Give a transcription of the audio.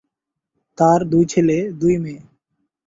তার দুই ছেলে, দুই মেয়ে।